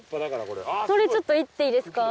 これちょっといっていいですか？